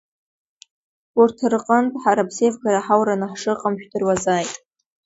Урҭ рҟынтә ҳара ԥсеивгара ҳаураны ҳшыҟам жәдыруазааит.